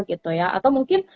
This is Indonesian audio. gitu ya atau mungkin